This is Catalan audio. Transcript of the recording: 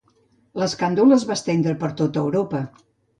L'escàndol es va estendre per tot Europa.